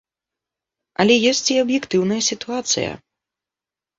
Але ёсць і аб'ектыўная сітуацыя.